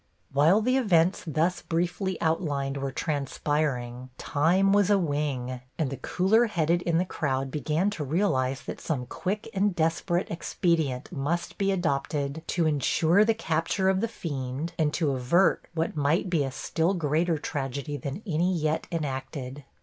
While the events thus briefly outlined were transpiring time was a wing, and the cooler headed in the crowd began to realize that some quick and desperate expedient must be adopted to insure the capture of the fiend and to avert what might be a still greater tragedy than any yet enacted.